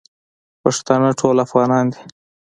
پښتانه ټول افغانان دی.